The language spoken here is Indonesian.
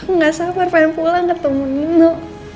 aku gak sabar pengen pulang ketemu dino